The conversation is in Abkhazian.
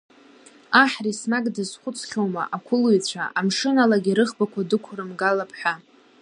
Аҳ Ресмаг дазхәыцхьоума, ақәылаҩцәа амшын алагьы рыӷбақәа дәықәрымгалап ҳәа?